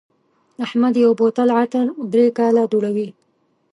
احمد یو بوتل عطر درې کاله دوړوي.